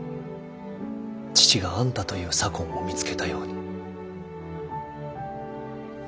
父があんたという左近を見つけたように。